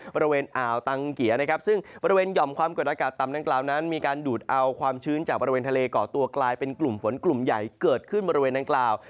บริเวณอ่าวตังเกียร์นะครับซึ่งบริเวณหย่อมความกดอากาศต่ำดังกล่าวนั้นมีการดูดเอาความชื้นจากบริเวณทะเลก่อตัวกลายเป็นกลุ่มฝนกลุ่มใหญ่เกิดขึ้นบริเวณดังกล่าว